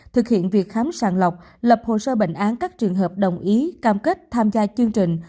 thực hiện việc khám sàng lọc lập hồ sơ bệnh án các trường hợp đồng ý cam kết tham gia chương trình